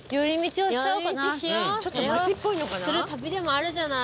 する旅でもあるじゃない。